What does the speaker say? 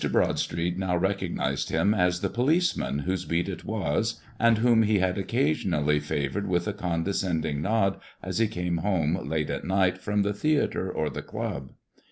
Broadstreet now recognized him as the policeman whose beat it was, and whom he had occasionally favored with a condescending nod, as he came home late at night from the theater or the club.